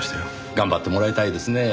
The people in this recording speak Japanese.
頑張ってもらいたいですねぇ。